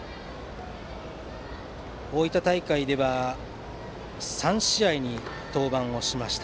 大分大会では３試合に登板しました。